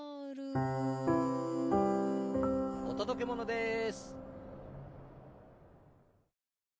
おとどけものです。